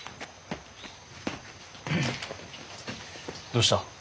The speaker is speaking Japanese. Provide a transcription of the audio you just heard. どうした？